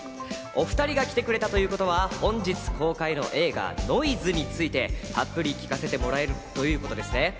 お２人が来てくれたということは本日公開の映画『ノイズ』について、たっぷり聞かせてもらえるということですね。